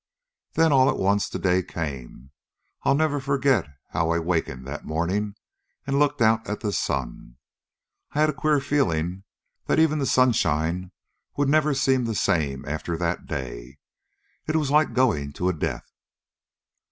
"Then, all at once, the day came. I'll never forget how I wakened that morning and looked out at the sun. I had a queer feeling that even the sunshine would never seem the same after that day. It was like going to a death."